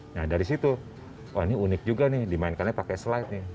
nah dari situ wah ini unik juga nih dimainkannya pakai slide nih